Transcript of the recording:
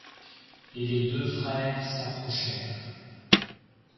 Et les deux frères s'approchèrent.